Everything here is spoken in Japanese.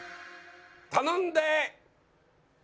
頼んで。